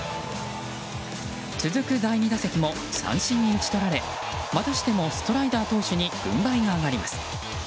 続く第２打席も三振に打ち取られまたしてもストライダー投手に軍配が上がります。